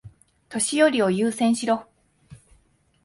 年寄りを優先しろ。